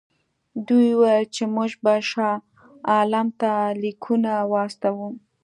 دوی وویل چې موږ به شاه عالم ته لیکونه واستوو.